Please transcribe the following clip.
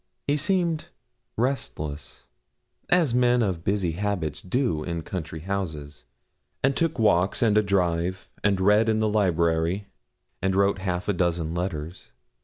He seemed restless, as men of busy habits do in country houses, and took walks, and a drive, and read in the library, and wrote half a dozen letters.